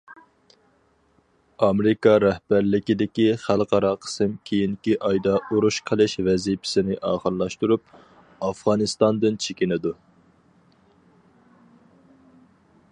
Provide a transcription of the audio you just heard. ئامېرىكا رەھبەرلىكىدىكى خەلقئارا قىسىم كېيىنكى ئايدا ئۇرۇش قىلىش ۋەزىپىسىنى ئاخىرلاشتۇرۇپ، ئافغانىستاندىن چېكىنىدۇ.